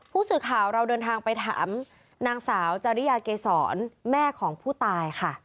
ผู้สื่อข่าวเราเดินทางไปถามนางสาวจริยาเกษรแม่ของผู้ตายค่ะ